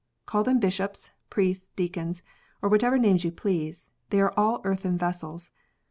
Call them Bishops, Priests, Deacons, or whatever names you please, they are all earthen vessels.